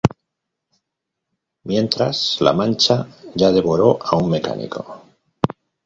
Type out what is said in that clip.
Mientras, la Mancha ya devoró a un mecánico.